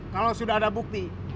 kalau sudah ada bukti